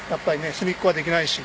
隅っこはできないし。